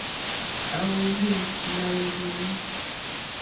À wóhwì ŋɡbá yùùní.